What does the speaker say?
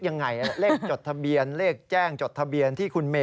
ยอมรับว่าการตรวจสอบเพียงเลขอยไม่สามารถทราบได้ว่าเป็นผลิตภัณฑ์ปลอม